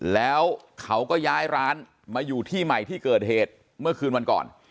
แล้วเขาก็ย้ายร้านมาอยู่ที่ใหม่ที่เกิดเหตุเมื่อคืนวันก่อน